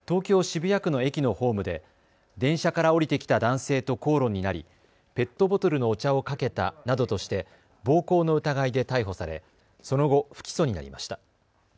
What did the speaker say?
ＮＨＫ放送技術局の３０代の男性職員はことし７月、東京渋谷区の駅のホームで電車から降りてきた男性と口論になりペットボトルのお茶をかけたなどとして暴行の疑いで逮捕されその後、不起訴になりました。